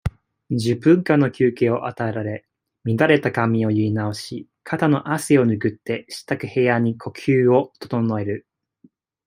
十分間の休憩を与えられ、乱れた髪を結い直し、肩の汗をぬぐって、支度部屋で呼吸を整える。